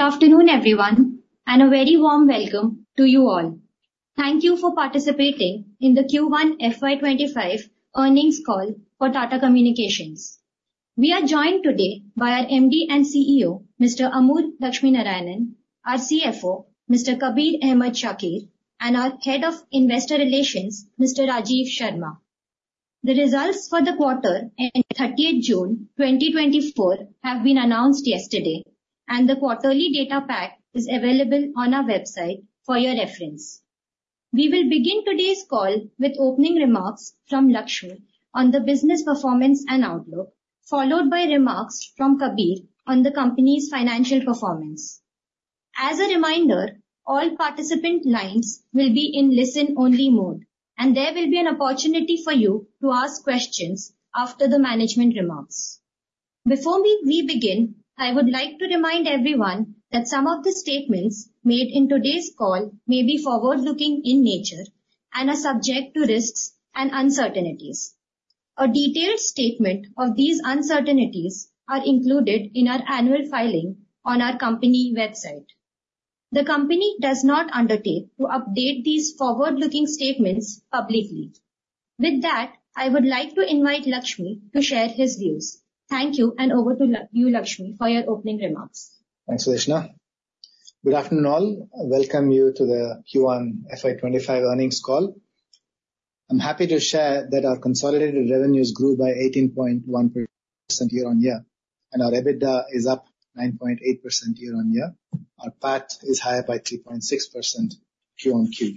Good afternoon, everyone, and a very warm welcome to you all. Thank you for participating in the Q1 FY25 earnings call for Tata Communications. We are joined today by our MD and CEO, Mr. Amur Lakshminarayanan, our CFO, Mr. Kabir Ahmed Shakir, and our Head of Investor Relations, Mr. Rajiv Sharma. The results for the quarter ending 30 June 2024 have been announced yesterday, and the quarterly data pack is available on our website for your reference. We will begin today's call with opening remarks from Lakshmi on the business performance and outlook, followed by remarks from Kabir on the company's financial performance. As a reminder, all participant lines will be in listen-only mode, and there will be an opportunity for you to ask questions after the management remarks. Before we begin, I would like to remind everyone that some of the statements made in today's call may be forward-looking in nature and are subject to risks and uncertainties. A detailed statement of these uncertainties is included in our annual filing on our company website. The company does not undertake to update these forward-looking statements publicly. With that, I would like to invite Lakshmi to share his views. Thank you, and over to you, Lakshmi, for your opening remarks. Thanks, Sudeshna. Good afternoon, all. Welcome you to the Q1 FY25 earnings call. I'm happy to share that our consolidated revenues grew by 18.1% year-on-year, and our EBITDA is up 9.8% year-on-year. Our PAT is higher by 3.6% quarter-on-quarter.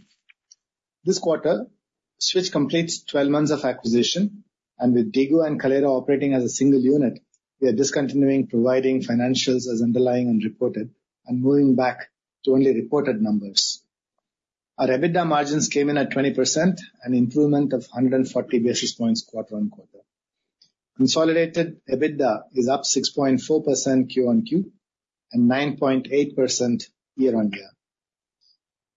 This quarter, Switch completes 12 months of acquisition, and with Switch and Kaleyra operating as a single unit, we are discontinuing providing financials as underlying and reported and moving back to only reported numbers. Our EBITDA margins came in at 20%, an improvement of 140 basis points quarter-on-quarter. Consolidated EBITDA is up 6.4% quarter-on-quarter and 9.8% year-on-year.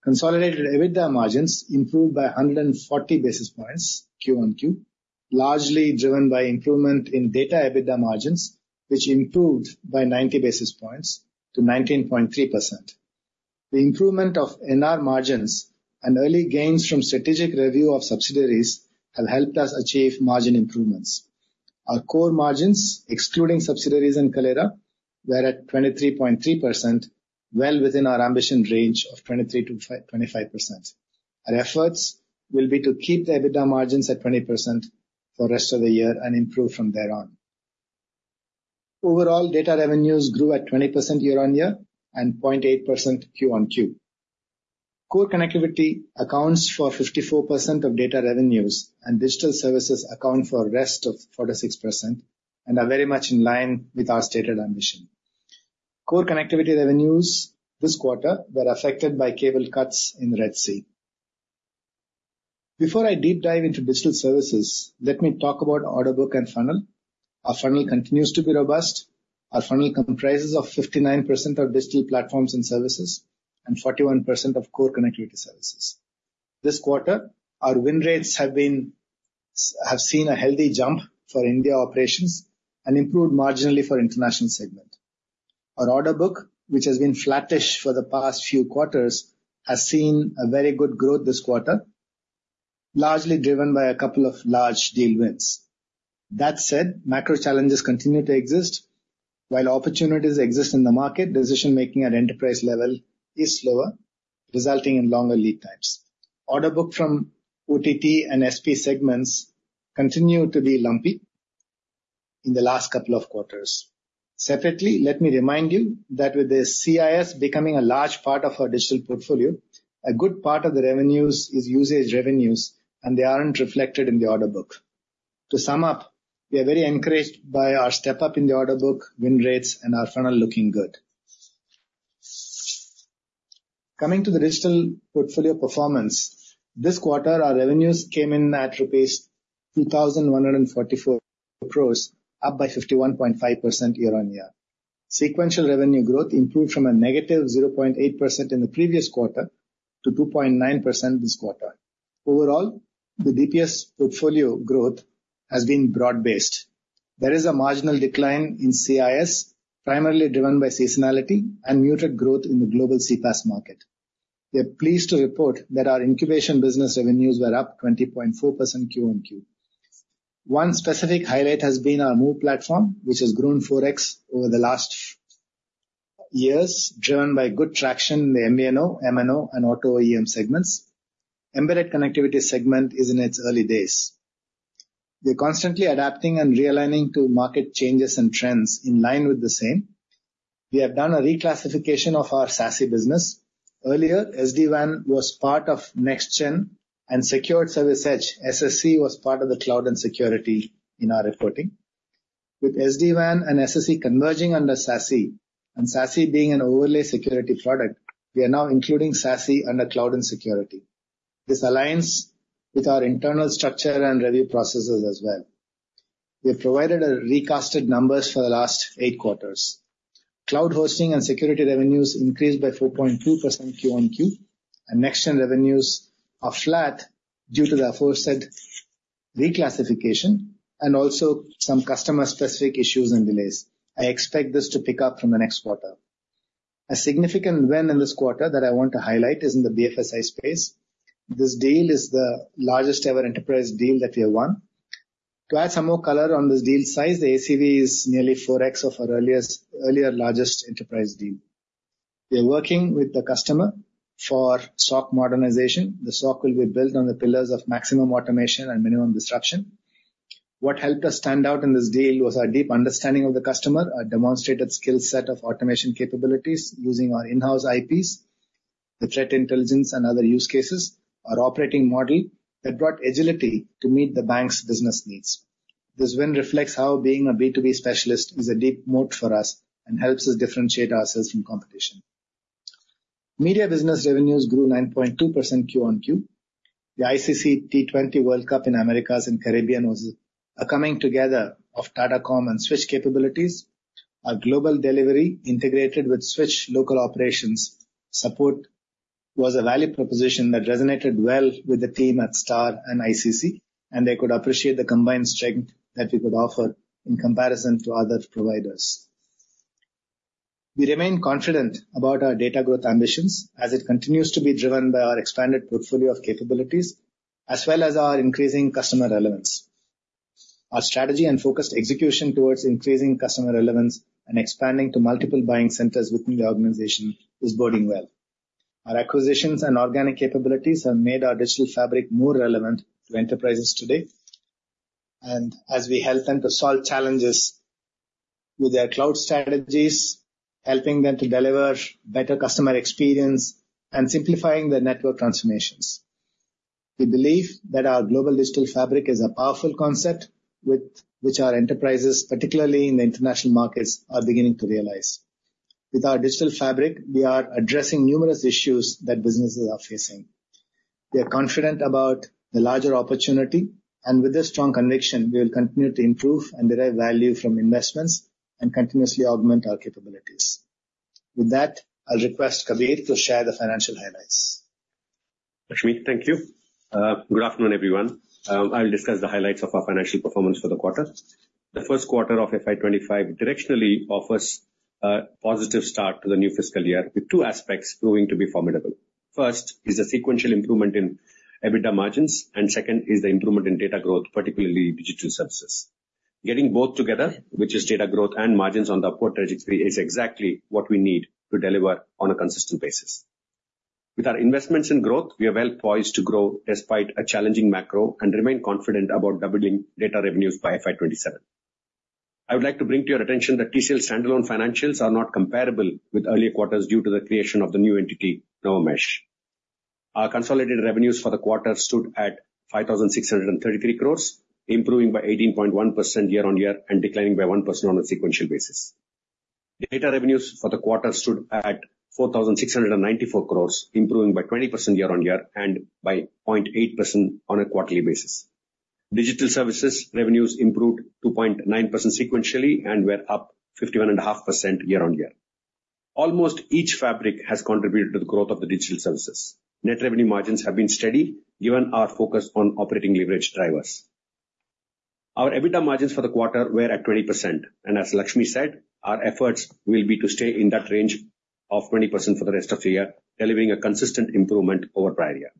Consolidated EBITDA margins improved by 140 basis points quarter-on-quarter, largely driven by improvement in data EBITDA margins, which improved by 90 basis points to 19.3%. The improvement of NR margins and early gains from strategic review of subsidiaries have helped us achieve margin improvements. Our core margins, excluding subsidiaries and Kaleyra, were at 23.3%, well within our ambition range of 23%-25%. Our efforts will be to keep the EBITDA margins at 20% for the rest of the year and improve from there on. Overall, data revenues grew at 20% year-on-year and 0.8% quarter-on-quarter. Core connectivity accounts for 54% of data revenues, and digital services account for the rest of 46% and are very much in line with our stated ambition. Core connectivity revenues this quarter were affected by cable cuts in Red Sea. Before I deep dive into digital services, let me talk about order book and funnel. Our funnel continues to be robust. Our funnel comprises 59% of digital platforms and services and 41% of core connectivity services. This quarter, our win rates have seen a healthy jump for India operations and improved marginally for the international segment. Our order book, which has been flattish for the past few quarters, has seen very good growth this quarter, largely driven by a couple of large deal wins. That said, macro challenges continue to exist. While opportunities exist in the market, decision-making at enterprise level is slower, resulting in longer lead times. Order book from OTT and SP segments continue to be lumpy in the last couple of quarters. Separately, let me remind you that with the CIS becoming a large part of our digital portfolio, a good part of the revenues is usage revenues, and they aren't reflected in the order book. To sum up, we are very encouraged by our step-up in the order book, win rates, and our funnel looking good. Coming to the digital portfolio performance, this quarter, our revenues came in at rupees 2,144 crores, up by 51.5% year-on-year. Sequential revenue growth improved from a negative 0.8% in the previous quarter to 2.9% this quarter. Overall, the DPS portfolio growth has been broad-based. There is a marginal decline in CIS, primarily driven by seasonality and muted growth in the global CPaaS market. We are pleased to report that our incubation business revenues were up 20.4% Q on Q. One specific highlight has been our MOVE platform, which has grown 4x over the last years, driven by good traction in the MVNO, MNO, and Auto OEM segments. Embedded connectivity segment is in its early days. We are constantly adapting and realigning to market changes and trends in line with the same. We have done a reclassification of our SASE business. Earlier, SD-WAN was part of NextGen and Security Service Edge. SSE was part of the cloud and security in our reporting. With SD-WAN and SSE converging under SASE, and SASE being an overlay security product, we are now including SASE under cloud and security. This aligns with our internal structure and review processes as well. We have provided recast numbers for the last eight quarters. Cloud hosting and security revenues increased by 4.2% Q on Q, and NextGen revenues are flat due to the aforesaid reclassification and also some customer-specific issues and delays. I expect this to pick up from the next quarter. A significant win in this quarter that I want to highlight is in the BFSI space. This deal is the largest-ever enterprise deal that we have won. To add some more color on this deal size, the ACV is nearly 4x of our earlier largest enterprise deal. We are working with the customer for SOC modernization. The SOC will be built on the pillars of maximum automation and minimum disruption. What helped us stand out in this deal was our deep understanding of the customer, our demonstrated skill set of automation capabilities using our in-house IPs, the threat intelligence, and other use cases, our operating model that brought agility to meet the bank's business needs. This win reflects how being a B2B specialist is a deep moat for us and helps us differentiate ourselves from competition. Media business revenues grew 9.2% Q on Q. The ICC T20 World Cup in the Americas and Caribbean was a coming together of Tata Comm and Switch capabilities. Our global delivery, integrated with Switch local operations support, was a value proposition that resonated well with the team at Star and ICC, and they could appreciate the combined strength that we could offer in comparison to other providers. We remain confident about our data growth ambitions as it continues to be driven by our expanded portfolio of capabilities, as well as our increasing customer relevance. Our strategy and focused execution towards increasing customer relevance and expanding to multiple buying centers within the organization is boding well. Our acquisitions and organic capabilities have made our Digital Fabric more relevant to enterprises today, and as we help them to solve challenges with their cloud strategies, helping them to deliver better customer experience and simplifying their network transformations. We believe that our global Digital Fabric is a powerful concept with which our enterprises, particularly in the international markets, are beginning to realize. With our Digital Fabric, we are addressing numerous issues that businesses are facing. We are confident about the larger opportunity, and with this strong conviction, we will continue to improve and derive value from investments and continuously augment our capabilities. With that, I'll request Kabir to share the financial highlights. Lakshmi, thank you. Good afternoon, everyone. I'll discuss the highlights of our financial performance for the quarter. The first quarter of FY25 directionally offers a positive start to the new fiscal year with two aspects proving to be formidable. First is the sequential improvement in EBITDA margins, and second is the improvement in data growth, particularly digital services. Getting both together, which is data growth and margins on the upward trajectory, is exactly what we need to deliver on a consistent basis. With our investments and growth, we are well poised to grow despite a challenging macro and remain confident about doubling data revenues by FY27. I would like to bring to your attention that TCL standalone financials are not comparable with earlier quarters due to the creation of the new entity Novara. Our consolidated revenues for the quarter stood at 5,633 crores, improving by 18.1% year-over-year and declining by 1% on a sequential basis. Data revenues for the quarter stood at 4,694 crores, improving by 20% year-over-year and by 0.8% on a quarterly basis. Digital services revenues improved 2.9% sequentially and were up 51.5% year-over-year. Almost each fabric has contributed to the growth of the digital services. Net revenue margins have been steady given our focus on operating leverage drivers. Our EBITDA margins for the quarter were at 20%, and as Lakshmi said, our efforts will be to stay in that range of 20% for the rest of the year, delivering a consistent improvement over prior year.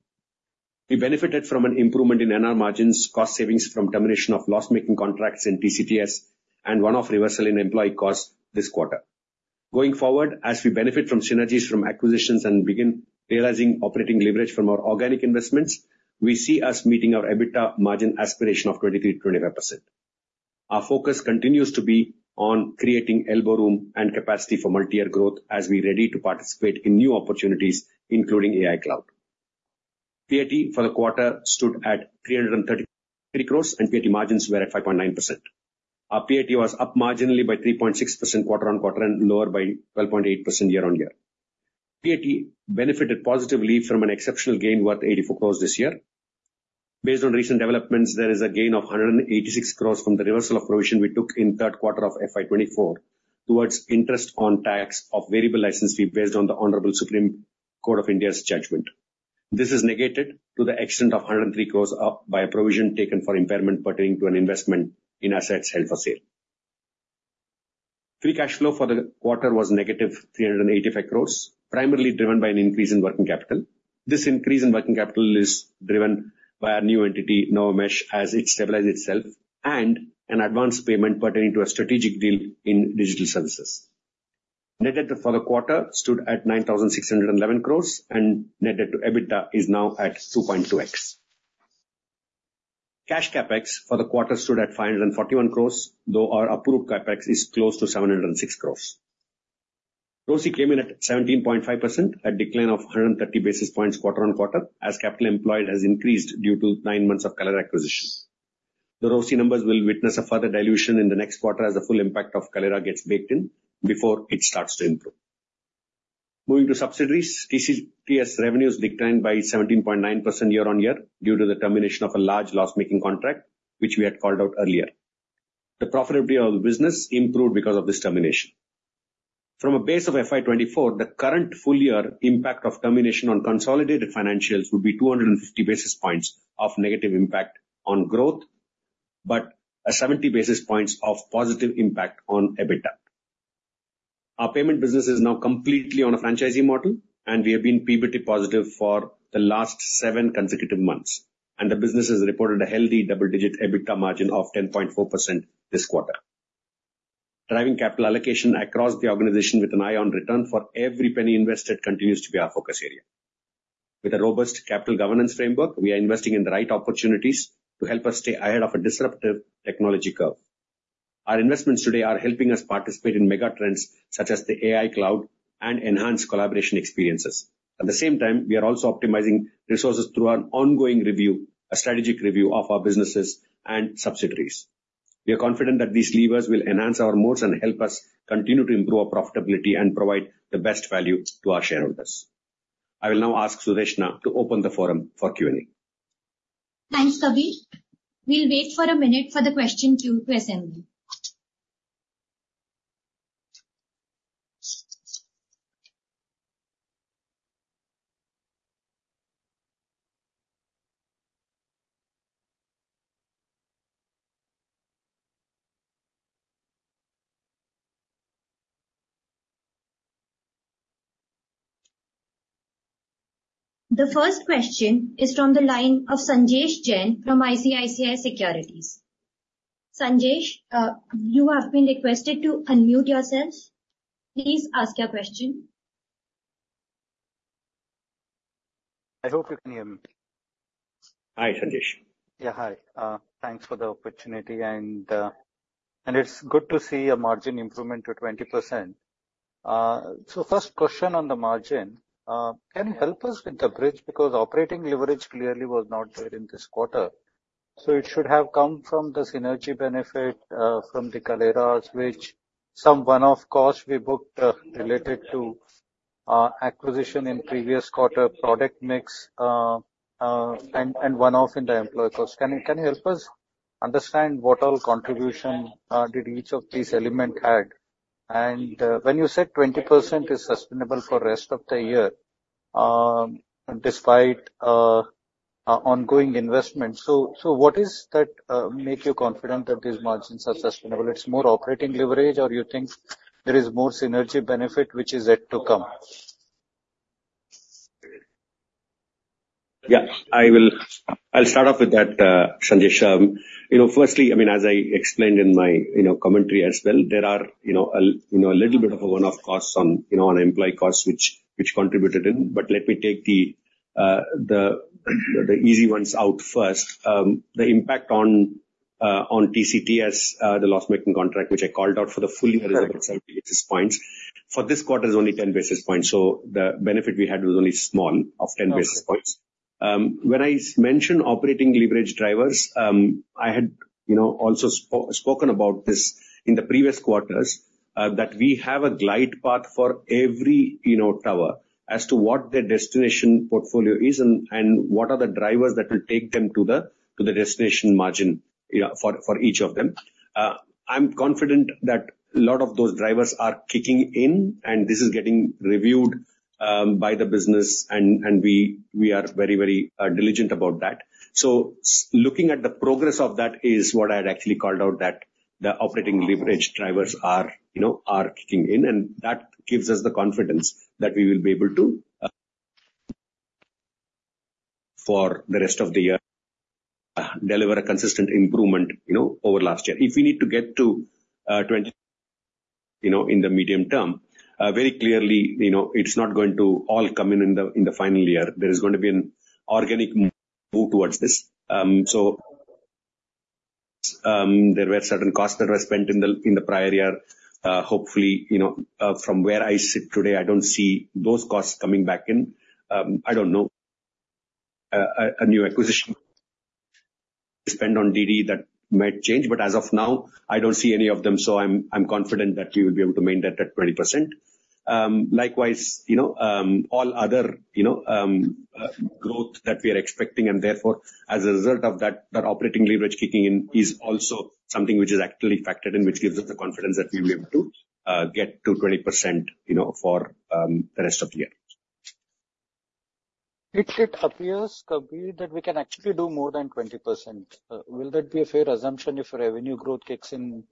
We benefited from an improvement in NR margins, cost savings from termination of loss-making contracts in TCTS, and one-off reversal in employee costs this quarter. Going forward, as we benefit from synergies from acquisitions and begin realizing operating leverage from our organic investments, we see us meeting our EBITDA margin aspiration of 23%-25%. Our focus continues to be on creating elbow room and capacity for multi-year growth as we are ready to participate in new opportunities, including AI Cloud. PAT for the quarter stood at 333 crores, and PAT margins were at 5.9%. Our PAT was up marginally by 3.6% quarter-on-quarter and lower by 12.8% year-on-year. PAT benefited positively from an exceptional gain worth 84 crores this year. Based on recent developments, there is a gain of 186 crores from the reversal of provision we took in the third quarter of FY24 towards interest on tax of variable license fee based on the Honorable Supreme Court of India's judgment. This is negated to the extent of 103 crores by a provision taken for impairment pertaining to an investment in assets held for sale. Free cash flow for the quarter was negative 385 crores, primarily driven by an increase in working capital. This increase in working capital is driven by our new entity Novara as it stabilized itself and an advance payment pertaining to a strategic deal in digital services. Net debt for the quarter stood at 9,611 crores, and net debt to EBITDA is now at 2.2x. Cash CapEx for the quarter stood at 541 crores, though our approved CapEx is close to 706 crores. ROCE came in at 17.5%, a decline of 130 basis points quarter on quarter as capital employed has increased due to nine months of Kaleyra acquisition. The ROCE numbers will witness a further dilution in the next quarter as the full impact of Kaleyra gets baked in before it starts to improve. Moving to subsidiaries, TCTS revenues declined by 17.9% year-on-year due to the termination of a large loss-making contract, which we had called out earlier. The profitability of the business improved because of this termination. From a base of FY24, the current full-year impact of termination on consolidated financials would be 250 basis points of negative impact on growth, but 70 basis points of positive impact on EBITDA. Our payment business is now completely on a franchisee model, and we have been PBT positive for the last seven consecutive months, and the business has reported a healthy double-digit EBITDA margin of 10.4% this quarter. Driving capital allocation across the organization with an eye on return for every penny invested continues to be our focus area. With a robust capital governance framework, we are investing in the right opportunities to help us stay ahead of a disruptive technology curve. Our investments today are helping us participate in mega trends such as the AI Cloud and enhanced collaboration experiences. At the same time, we are also optimizing resources through our ongoing review, a strategic review of our businesses and subsidiaries. We are confident that these levers will enhance our moats and help us continue to improve our profitability and provide the best value to our shareholders. I will now ask Sudeshna to open the forum for Q&A. Thanks, Kabir. We'll wait for a minute for the question queue to assemble. The first question is from the line of Sanjesh Jain from ICICI Securities. Sanjesh, you have been requested to unmute yourself. Please ask your question. I hope you can hear me. Hi, Sanjay. Yeah, hi. Thanks for the opportunity. And it's good to see a margin improvement to 20%. So first question on the margin, can you help us with the bridge? Because operating leverage clearly was not there in this quarter. So it should have come from the synergy benefit from the Kaleyra, which some one-off costs we booked related to acquisition in previous quarter product mix and one-off in the employee cost. Can you help us understand what all contribution did each of these elements add? And when you said 20% is sustainable for the rest of the year despite ongoing investments, so what is that make you confident that these margins are sustainable? It's more operating leverage, or you think there is more synergy benefit which is yet to come? Yeah, I'll start off with that, Sanjesh Jain. Firstly, I mean, as I explained in my commentary as well, there are a little bit of a one-off costs on employee costs which contributed in, but let me take the easy ones out first. The impact on TCTS, the loss-making contract, which I called out for the full year is about 70 basis points. For this quarter, it's only 10 basis points. So the benefit we had was only small of 10 basis points. When I mentioned operating leverage drivers, I had also spoken about this in the previous quarters that we have a glide path for every tower as to what their destination portfolio is and what are the drivers that will take them to the destination margin for each of them. I'm confident that a lot of those drivers are kicking in, and this is getting reviewed by the business, and we are very, very diligent about that. So looking at the progress of that is what I had actually called out that the operating leverage drivers are kicking in, and that gives us the confidence that we will be able to, for the rest of the year, deliver a consistent improvement over last year. If we need to get to 20 in the medium term, very clearly, it's not going to all come in in the final year. There is going to be an organic MOVE towards this. So there were certain costs that were spent in the prior year. Hopefully, from where I sit today, I don't see those costs coming back in. I don't know. A new acquisition spent on DD that might change, but as of now, I don't see any of them, so I'm confident that we will be able to maintain that at 20%. Likewise, all other growth that we are expecting, and therefore, as a result of that, that operating leverage kicking in is also something which is actually factored in, which gives us the confidence that we will be able to get to 20% for the rest of the year. It appears, Kabir, that we can actually do more than 20%. Will that be a fair assumption if revenue growth kicks in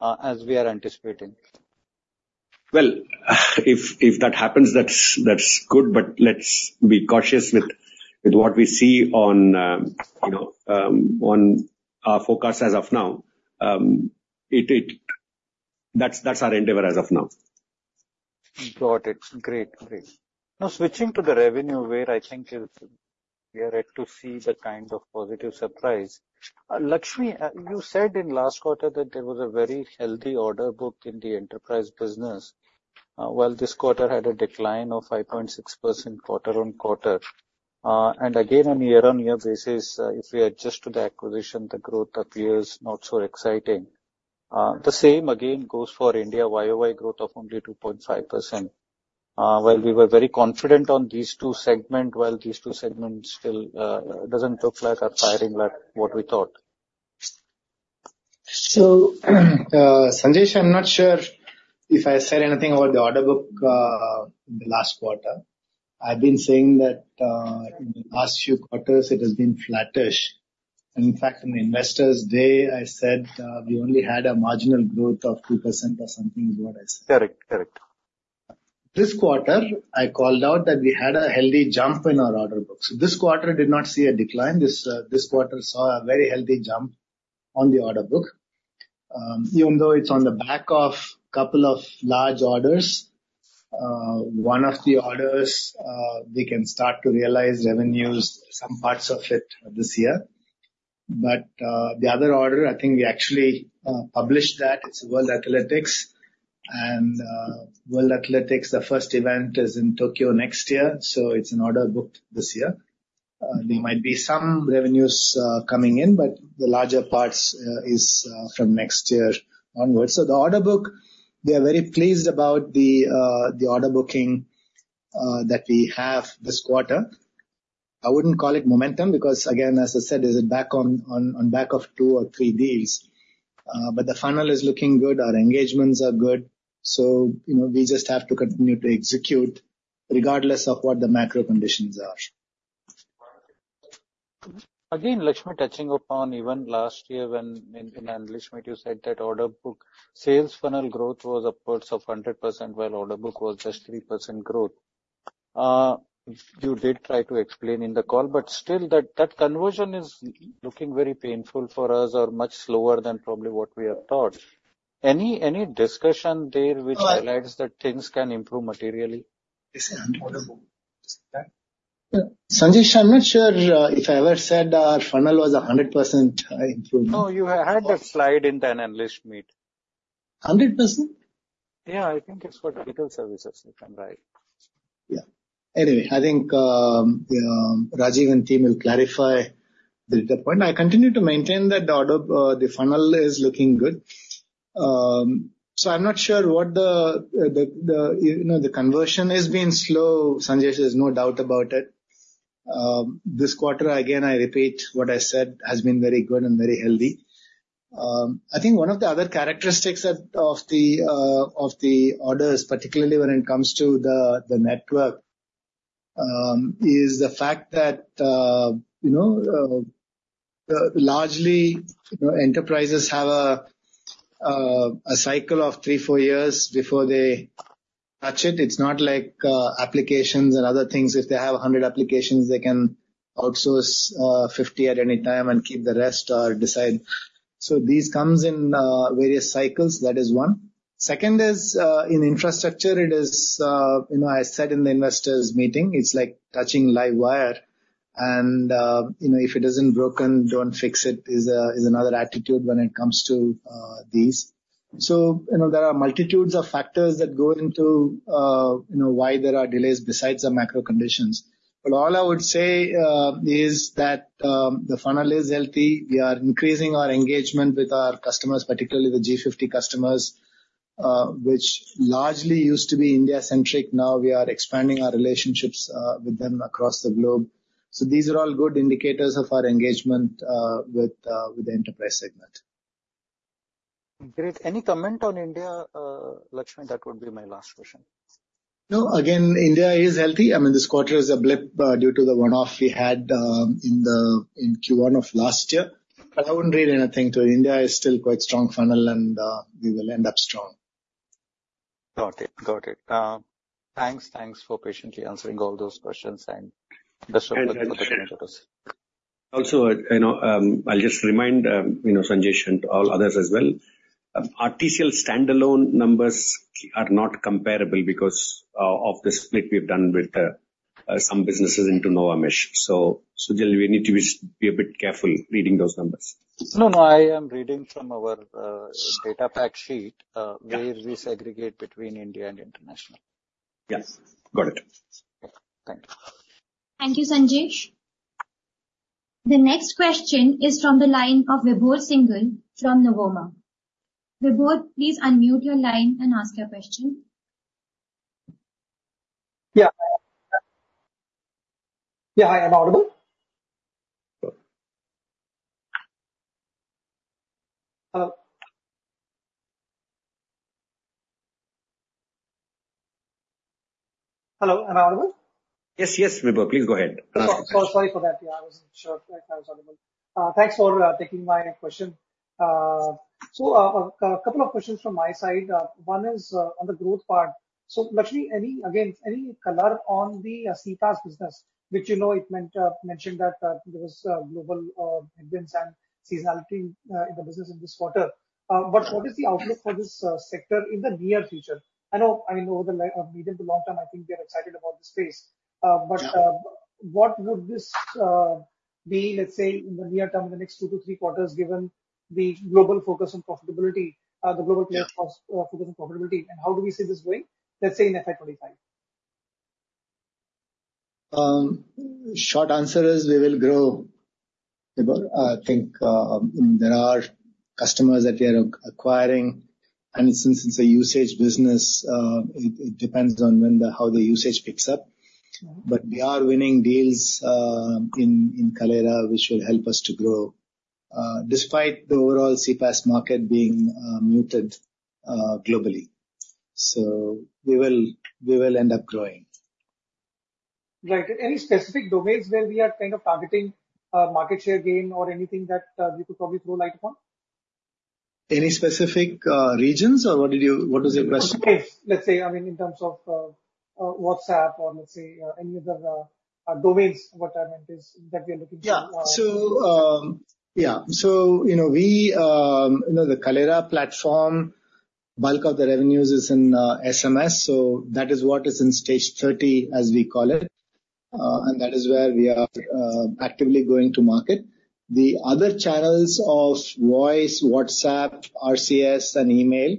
as we are anticipating? Well, if that happens, that's good, but let's be cautious with what we see on our forecast as of now. That's our endeavor as of now. Got it. Great. Now, switching to the revenue way, I think we are yet to see the kind of positive surprise. Lakshmi, you said in last quarter that there was a very healthy order book in the enterprise business, while this quarter had a decline of 5.6% quarter-on-quarter. And again, on a year-on-year basis, if we adjust to the acquisition, the growth appears not so exciting. The same, again, goes for India, YOY growth of only 2.5%. While we were very confident on these two segments, while these two segments still doesn't look like are firing like what we thought. So Sanjesh, I'm not sure if I said anything about the order book in the last quarter. I've been saying that in the last few quarters, it has been flattish. In fact, on the Investors' Day, I said we only had a marginal growth of 2% or something is what I said. Correct. This quarter, I called out that we had a healthy jump in our order book. This quarter did not see a decline. This quarter saw a very healthy jump on the order book. Even though it's on the back of a couple of large orders, one of the orders, we can start to realize revenues, some parts of it this year. But the other order, I think we actually published that. It's World Athletics. World Athletics, the first event is in Tokyo next year. So it's an order booked this year. There might be some revenues coming in, but the larger parts is from next year onwards. So the order book, we are very pleased about the order booking that we have this quarter. I wouldn't call it momentum because, again, as I said, it's back on back of two or three deals. The funnel is looking good. Our engagements are good. We just have to continue to execute regardless of what the macro conditions are. Again, Lakshmi touching upon even last year when Lakshmi, you said that order book sales funnel growth was upwards of 100% while order book was just 3% growth. You did try to explain in the call, but still that conversion is looking very painful for us or much slower than probably what we have thought. Any discussion there which highlights that things can improve materially? Sanjay, I'm not sure if I ever said our funnel was 100% improved. No, you had a slide in that analyst meet. 100%? Yeah, I think it's for digital services, if I'm right. Yeah. Anyway, I think Rajiv and team will clarify the point. I continue to maintain that the funnel is looking good. So I'm not sure what the conversion is being slow. Sanjesh has no doubt about it. This quarter, again, I repeat what I said has been very good and very healthy. I think one of the other characteristics of the orders, particularly when it comes to the network, is the fact that largely enterprises have a cycle of three, four years before they touch it. It's not like applications and other things. If they have 100 applications, they can outsource 50 at any time and keep the rest or decide. So these come in various cycles. That is one. Second is in infrastructure, it is, I said in the investors' meeting, it's like touching live wire. If it isn't broken, don't fix it is another attitude when it comes to these. There are multitudes of factors that go into why there are delays besides the macro conditions. All I would say is that the funnel is healthy. We are increasing our engagement with our customers, particularly the G50 customers, which largely used to be India-centric. Now we are expanding our relationships with them across the globe. These are all good indicators of our engagement with the enterprise segment. Great. Any comment on India, Lakshmi? That would be my last question. No, again, India is healthy. I mean, this quarter is a blip due to the one-off we had in Q1 of last year. But I wouldn't read anything to India. It's still quite a strong funnel, and we will end up strong. Got it. Got it. Thanks. Thanks for patiently answering all those questions and the support for the community too. Also, I'll just remind Sanjesh Jain and all others as well. Our TCL standalone numbers are not comparable because of the split we've done with some businesses into Novara. So we need to be a bit careful reading those numbers. No, no. I am reading from our data pack sheet where we segregate between India and international. Yes. Got it. Thank you. Thank you, Sanjay. The next question is from the line of Vibhor Singhal from Nuvama. Vibhor, please unmute your line and ask your question. Yeah. Yeah, I am audible. Hello. Hello. Am I audible? Yes, yes, Vibhor. Please go ahead. Sorry for that. Yeah, I wasn't sure if I was audible. Thanks for taking my question. So a couple of questions from my side. One is on the growth part. So Lakshmi, again, any color on the CPaaS business, which you mentioned that there was global headwinds and seasonality in the business in this quarter. But what is the outlook for this sector in the near future? I know, I mean, over the medium to long term, I think we are excited about this space. But what would this be, let's say, in the near term, in the next two to three quarters, given the global focus on profitability, the global players' focus on profitability, and how do we see this going, let's say, in FY25? Short answer is we will grow. I think there are customers that we are acquiring. And since it's a usage business, it depends on how the usage picks up. But we are winning deals in Kaleyra, which will help us to grow despite the overall CPaaS market being muted globally. So we will end up growing. Right. Any specific domains where we are kind of targeting market share gain or anything that we could probably throw light upon? Any specific regions, or what was your question? Let's say, I mean, in terms of WhatsApp or let's say any other domains, what I meant is that we are looking to. Yeah. So yeah. So the Kaleyra platform, bulk of the revenues is in SMS. So that is what is in Stage 3.0, as we call it. And that is where we are actively going to market. The other channels of voice, WhatsApp, RCS, and email,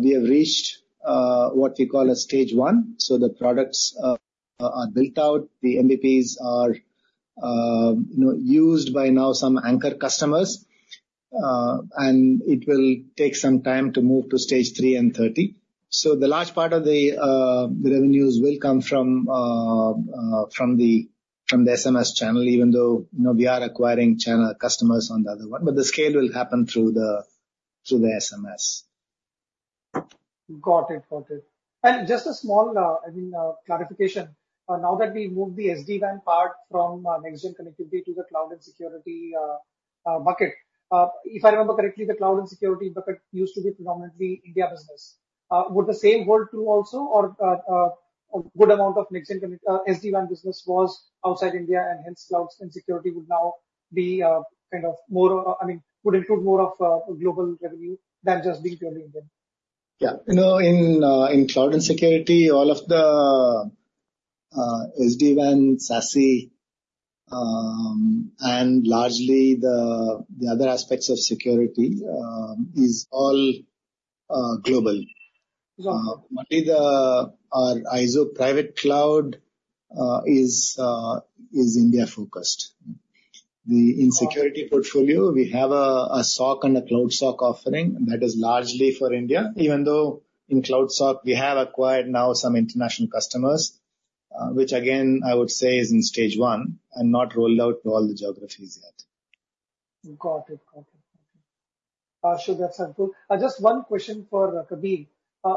we have reached what we call a stage one. So the products are built out. The MVPs are used by now some anchor customers. And it will take some time to MOVE to Stage 3 and 3.0. So the large part of the revenues will come from the SMS channel, even though we are acquiring channel customers on the other one. But the scale will happen through the SMS. Got it. Got it. And just a small, I mean, clarification. Now that we moved the SD-WAN part from NextGen Connectivity to the cloud and security bucket, if I remember correctly, the cloud and security bucket used to be predominantly India business. Would the same hold true also, or a good amount of NextGen SD-WAN business was outside India, and hence cloud and security would now be kind of more, I mean, would include more of global revenue than just being purely Indian? Yeah. In cloud and security, all of the SD-WAN, SASE, and largely the other aspects of security is all global. Only our IZO private cloud is India-focused. In security portfolio, we have a SOC and a CloudSOC offering that is largely for India, even though in CloudSOC, we have acquired now some international customers, which again, I would say is in stage one and not rolled out to all the geographies yet. Got it. Got it. Got it. Sure. That's helpful. Just one question for Kabir.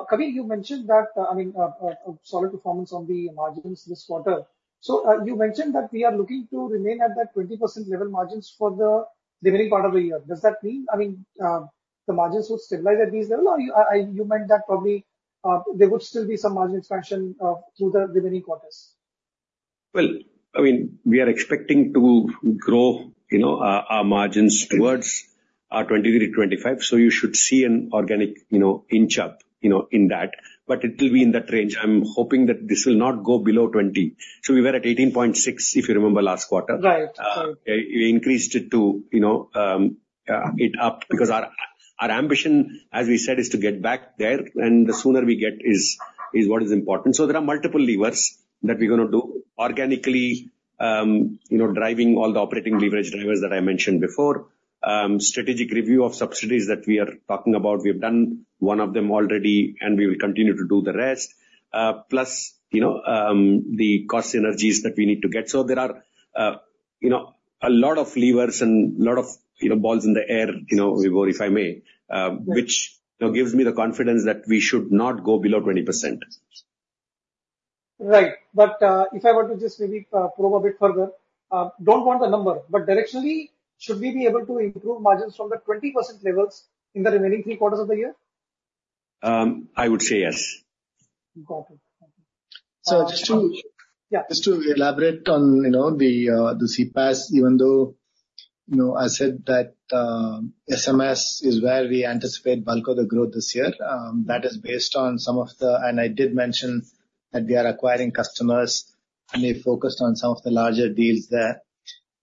Kabir, you mentioned that, I mean, solid performance on the margins this quarter. So you mentioned that we are looking to remain at that 20% level margins for the remaining part of the year. Does that mean, I mean, the margins will stabilize at these levels? Or you meant that probably there would still be some margin expansion through the remaining quarters? Well, I mean, we are expecting to grow our margins towards our 23%-25%. So you should see an organic inch up in that. But it will be in that range. I'm hoping that this will not go below 20%. So we were at 18.6%, if you remember, last quarter. Right. Right. We increased it to 8 up because our ambition, as we said, is to get back there. And the sooner we get is what is important. So there are multiple levers that we're going to do organically, driving all the operating leverage drivers that I mentioned before, strategic review of subsidiaries that we are talking about. We have done one of them already, and we will continue to do the rest, plus the cost synergies that we need to get. So there are a lot of levers and a lot of balls in the air, Vibhor, if I may, which gives me the confidence that we should not go below 20%. Right. But if I want to just maybe probe a bit further, don't want the number, but directionally, should we be able to improve margins from the 20% levels in the remaining three quarters of the year? I would say yes. Got it. Got it. So just to elaborate on the CPaaS, even though I said that SMS is where we anticipate bulk of the growth this year, that is based on some of the, and I did mention that we are acquiring customers, and they focused on some of the larger deals there.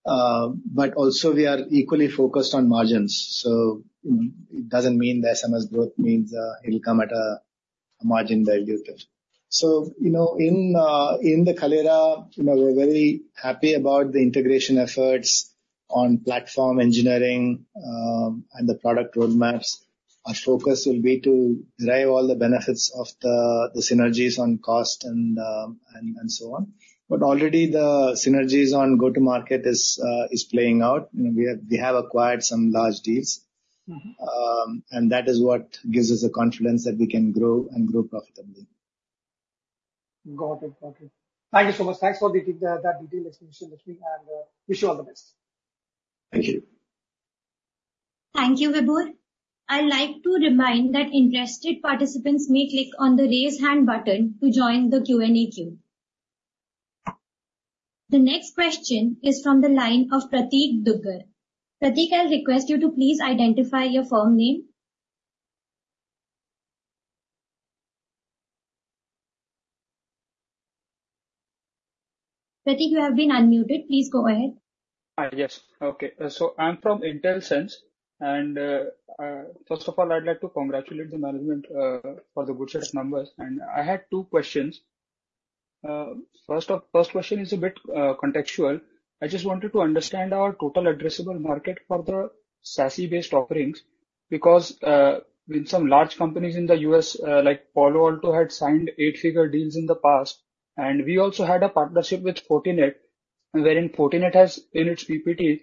But also, we are equally focused on margins. So it doesn't mean the SMS growth means it'll come at a margin value hit. So in the Kaleyra, we're very happy about the integration efforts on platform engineering and the product roadmaps. Our focus will be to derive all the benefits of the synergies on cost and so on. But already, the synergies on go-to-market is playing out. We have acquired some large deals. And that is what gives us the confidence that we can grow and grow profitably. Got it. Got it. Thank you so much. Thanks for that detailed explanation, Lakshmi. Wish you all the best. Thank you. Thank you, Vibhor. I'd like to remind that interested participants may click on the raise hand button to join the Q&A queue. The next question is from the line of Pratik Dugar. Pratik, I'll request you to please identify your firm name. Pratik, you have been unmuted. Please go ahead. Yes. Okay. So I'm from InCred Capital. And first of all, I'd like to congratulate the management for the good numbers. And I had two questions. First question is a bit contextual. I just wanted to understand our total addressable market for the SASE-based offerings because some large companies in the U.S., like Palo Alto, had signed eight-figure deals in the past. And we also had a partnership with Fortinet, wherein Fortinet has, in its PPT,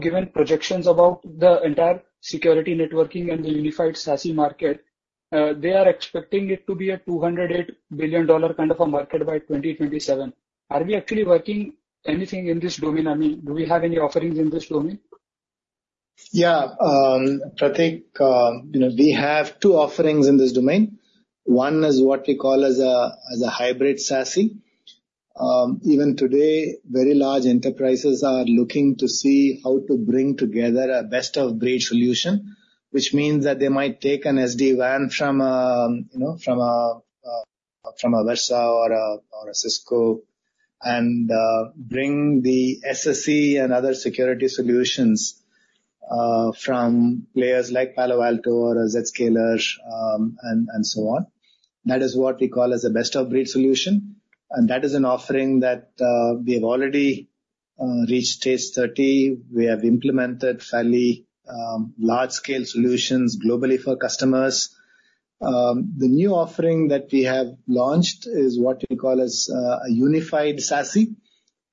given projections about the entire security networking and the unified SASE market. They are expecting it to be a $208 billion kind of a market by 2027. Are we actually working anything in this domain? I mean, do we have any offerings in this domain? Yeah. Pratik, we have two offerings in this domain. One is what we call as a hybrid SASE. Even today, very large enterprises are looking to see how to bring together a best-of-breed solution, which means that they might take an SD-WAN from a Versa or a Cisco and bring the SSE and other security solutions from players like Palo Alto or Zscaler and so on. That is what we call as a best-of-breed solution. And that is an offering that we have already reached Stage 3.0. We have implemented fairly large-scale solutions globally for customers. The new offering that we have launched is what we call as a unified SASE,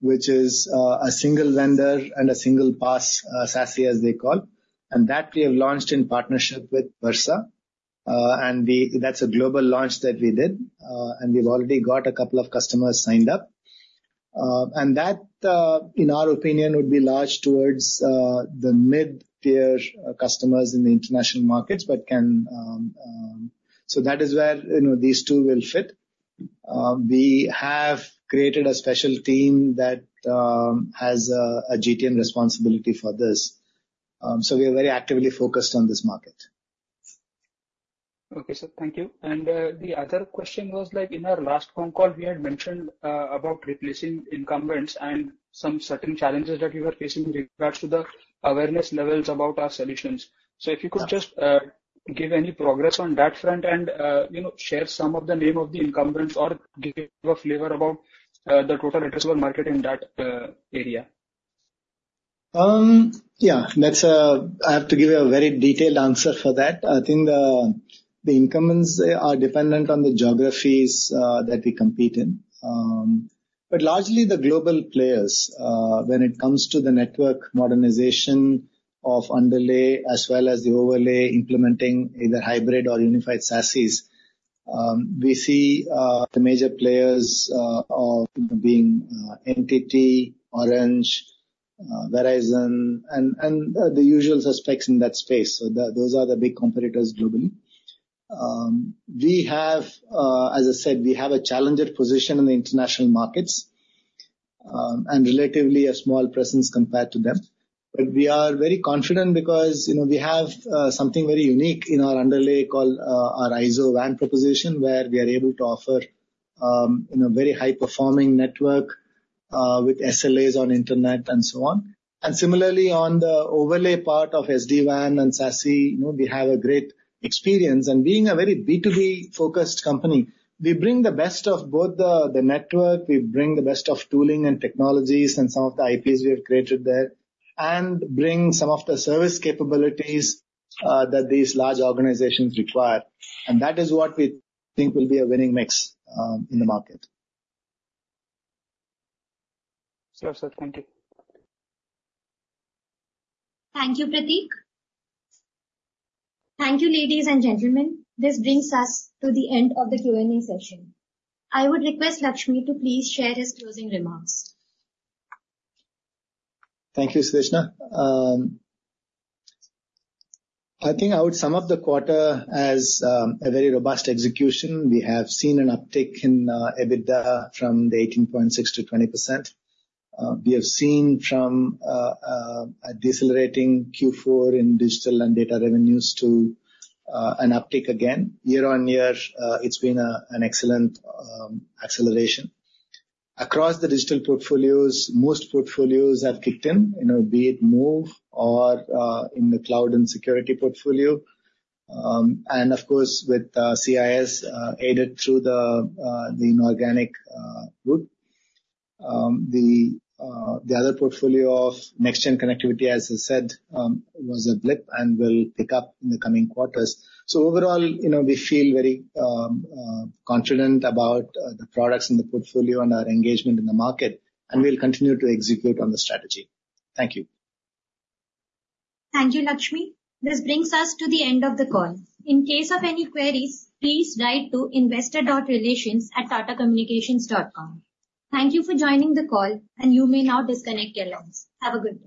which is a single vendor and a single pass SASE, as they call. And that we have launched in partnership with Versa. And that's a global launch that we did. We've already got a couple of customers signed up. That, in our opinion, would be large towards the mid-tier customers in the international markets, but can. That is where these two will fit. We have created a special team that has a GTM responsibility for this. We are very actively focused on this market. Okay. So thank you. And the other question was, in our last phone call, we had mentioned about replacing incumbents and some certain challenges that we were facing in regards to the awareness levels about our solutions. So if you could just give any progress on that front and share some of the name of the incumbents or give a flavor about the total addressable market in that area. Yeah. I have to give you a very detailed answer for that. I think the incumbents are dependent on the geographies that we compete in. But largely, the global players, when it comes to the network modernization of underlay as well as the overlay implementing either hybrid or unified SASEs, we see the major players being NTT, Orange, Verizon, and the usual suspects in that space. So those are the big competitors globally. As I said, we have a challenger position in the international markets and relatively a small presence compared to them. But we are very confident because we have something very unique in our underlay called our IZO WAN proposition, where we are able to offer a very high-performing network with SLAs on internet and so on. And similarly, on the overlay part of SD-WAN and SASE, we have a great experience. Being a very B2B-focused company, we bring the best of both the network. We bring the best of tooling and technologies and some of the IPs we have created there and bring some of the service capabilities that these large organizations require. That is what we think will be a winning mix in the market. Sure. So thank you. Thank you, Pratik. Thank you, ladies and gentlemen. This brings us to the end of the Q&A session. I would request Lakshmi to please share his closing remarks. Thank you, Sudeshna. I think I would sum up the quarter as a very robust execution. We have seen an uptick in EBITDA from 18.6%-20%. We have seen from a decelerating Q4 in digital and data revenues to an uptick again. Year-on-year, it's been an excellent acceleration. Across the digital portfolios, most portfolios have kicked in, be it MOVE or in the cloud and security portfolio. And of course, with CIS aided through the organic group, the other portfolio of next-gen connectivity, as I said, was a blip and will pick up in the coming quarters. So overall, we feel very confident about the products in the portfolio and our engagement in the market. And we'll continue to execute on the strategy. Thank you. Thank you, Lakshmi. This brings us to the end of the call. In case of any queries, please write to investor.relations@tatacommunications.com. Thank you for joining the call, and you may now disconnect your lines. Have a good one.